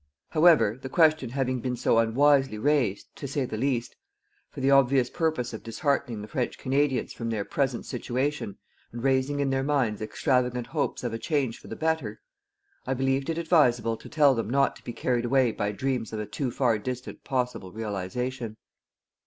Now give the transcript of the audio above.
However, the question having been so unwisely raised, to say the least, for the obvious purpose of disheartening the French Canadians from their present situation and raising in their minds extravagant hopes of a change for the better, I believed it advisable to tell them not to be carried away by dreams of a too far distant possible realization.